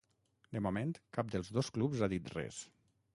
De moment cap dels dos clubs ha dit res.